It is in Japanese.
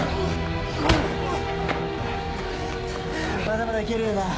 まだまだ行けるよな？